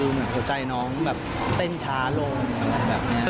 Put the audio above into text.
เหมือนหัวใจน้องแบบเต้นช้าลงอะไรแบบนี้